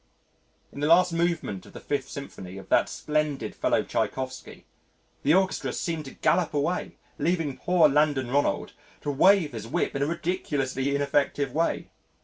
In the last movement of the Fifth Symphony of that splendid fellow Tschaikovsky, the orchestra seemed to gallop away leaving poor Landon Ronald to wave his whip in a ridiculously ineffective way.